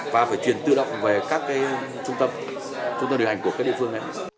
và phải chuyển tự động về các trung tâm trung tâm điều hành của các địa phương này